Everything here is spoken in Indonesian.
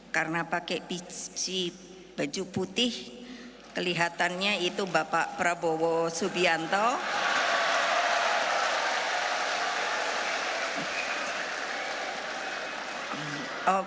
karena pakai biji baju putih kelihatannya itu bapak prabowo subianto